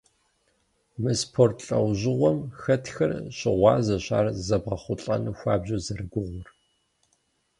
Мы спорт лӏэужьыгъуэм хэтхэр щыгъуазэщ ар зэбгъэхъулӏэну хуабжьу зэрыгугъур.